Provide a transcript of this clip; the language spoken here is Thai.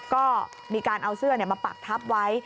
ก็มีการเอาเสื้อมาปักทับไว้